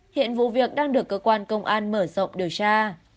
hiện vụ việc đang được cơ quan công an mở rộng điều tra